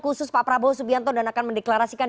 khusus pak prabowo subianto dan akan mendeklarasikan